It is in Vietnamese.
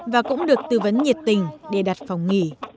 và cũng được tư vấn nhiệt tình để đặt phòng nghỉ